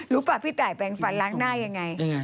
ป่ะพี่ตายแปลงฟันล้างหน้ายังไง